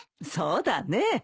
そうだね。